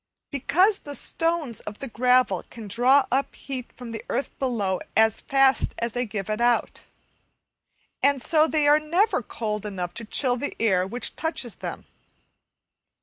Because the stones of the gravel can draw up heat from the earth below as fast as they give it out, and so they are never cold enough to chill the air which touches them.